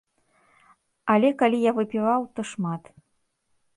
Але калі я выпіваў, то шмат.